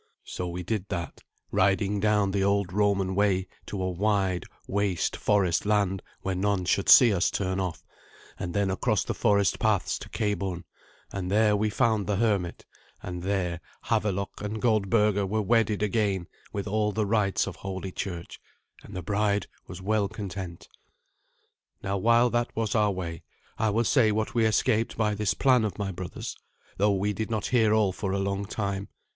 So we did that, riding down the old Roman way to a wide, waste forest land where none should see us turn off, and then across the forest paths to Cabourn; and there we found the hermit, and there Havelok and Goldberga were wedded again with all the rites of Holy Church, and the bride was well content. Now while that was our way, I will say what we escaped by this plan of my brother's, though we did not hear all for a long time.